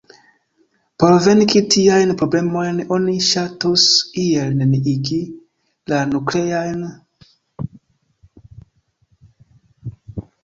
Por venki tiajn problemojn oni ŝatus iel neniigi la nukleajn postrestaĵojn.